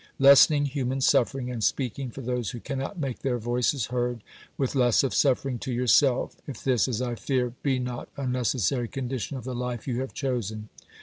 Lessening human suffering and speaking for those who cannot make their voices heard, with less of suffering to yourself, if this, as I fear, be not a necessary condition of the life you have chosen.